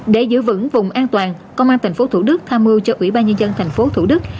để giữ vững vùng an toàn công an thành phố thủ đức tha mưu cho ủy ban nhân dân thành phố thủ đức